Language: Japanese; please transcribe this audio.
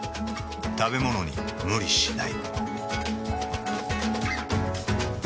食べものに無理しない。